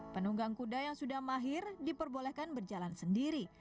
penunggang kuda yang sudah mahir diperbolehkan berjalan sendiri